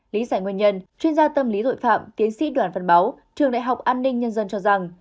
lý giải nguyên nhân chuyên gia tâm lý tội phạm tiến sĩ đoàn văn báu trường đại học an ninh nhân dân cho rằng